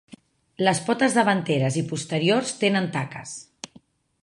Les potes davanteres i posteriors tenen taques.